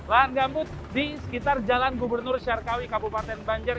lahan gambut di sekitar jalan gubernur syarkawi kabupaten banjar